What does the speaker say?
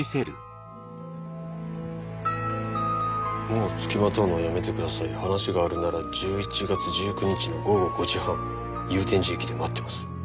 「もうつきまとうのはやめてください」「話があるなら１１月１９日の午後５時半祐天寺駅で待ってます」